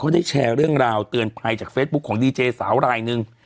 เขาได้แชร์เรื่องราวเตือนภัยจากเฟซบุ๊คของดีเจสาวรายหนึ่ง